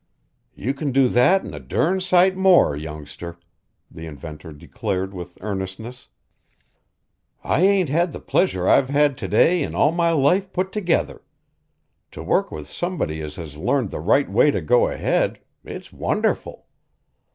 "You can do that an' a durn sight more, youngster," the inventor declared with earnestness. "I ain't had the pleasure I've had to day in all my life put together. To work with somebody as has learned the right way to go ahead it's wonderful.